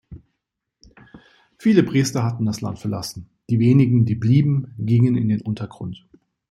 Viele Priester hatten das Land verlassen, die wenigen, die blieben, gingen in den Untergrund.